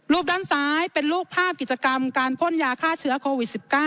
ด้านซ้ายเป็นรูปภาพกิจกรรมการพ่นยาฆ่าเชื้อโควิด๑๙